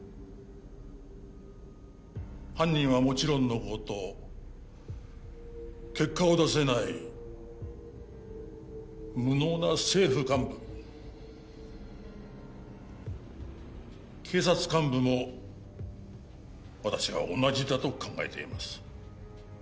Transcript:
犯人はもちろんの事結果を出せない無能な政府幹部警察幹部も私は同じだと考えています。